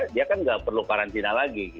dia kan nggak perlu karantina lagi